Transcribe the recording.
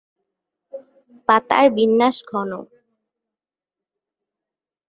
পাতার বিন্যাস ঘন।